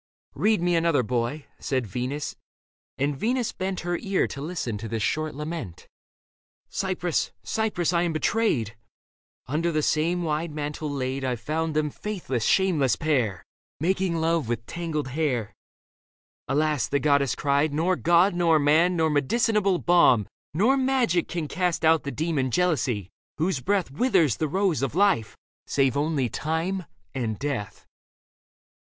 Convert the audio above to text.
Read me another, boy," and Venus bent Her ear to listen to this short lament. Cypris, Cypris, I am betrayed ! Under the same wide mantle laid I found them, faithless, shameless pair ! Making love with tangled hair. " Alas," the goddess cried, " nor god, nor man, Nor medicinable balm, nor magic can Cast out the demon jealousy, whose breath Withers the rose of life, save only time and death."